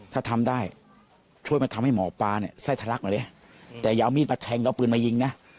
ถ้าทำได้ช่วยมาทำให้หมอปลาเนี่ยไส้ทลักมาเเล้ยแต่ย้าวมีดไปแทงมีมือเมลาญี่นนะ